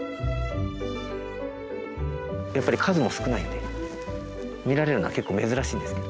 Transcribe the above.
やっぱり数も少ないので見られるのは結構珍しいんです。